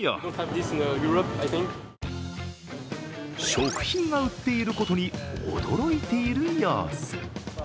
食品が売っていることに驚いている様子。